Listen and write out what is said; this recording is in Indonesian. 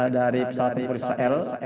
dari pesawat tempur israel